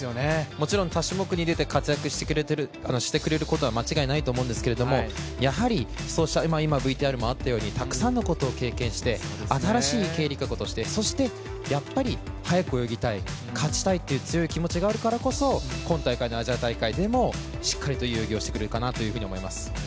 もちろん、他種目に出て活躍してくれることは間違いないと思うんですけどやはり、たくさんのことを経験して新しい池江璃花子として、そして、やっぱり速く泳ぎたい、勝ちたいという強い気持ちがあるからこそ今大会のアジア大会でも、しっかりと遊技をしてくれるかなと思います。